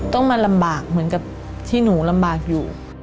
ต้องมาลำบากเหมือนกับที่หนูลำบากอยู่